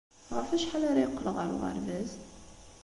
Ɣef wacḥal ara yeqqel ɣer uɣerbaz?